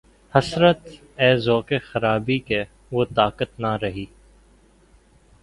حسرت! اے ذوقِ خرابی کہ‘ وہ طاقت نہ رہی